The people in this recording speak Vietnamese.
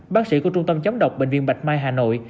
bác sĩ của trung tâm chống độc bệnh viện bạch mai hà nội